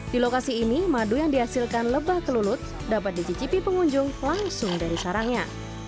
di lokasi ini madu yang dihasilkan lebah kelulut dapat dicicipi pengunjung langsung dari sarangnya